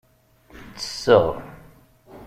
Ttesseɣ.